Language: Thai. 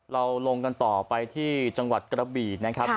ลงกันต่อไปที่จังหวัดกระบีนะครับ